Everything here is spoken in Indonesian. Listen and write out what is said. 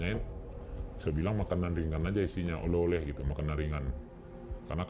dua biji dijual secara online sama adik